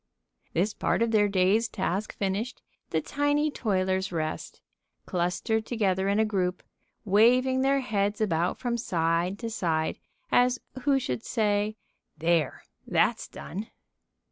This part of their day's task finished, the tiny toilers rest, clustered together in a group, waving their heads about from side to side, as who should say: "There that's done!"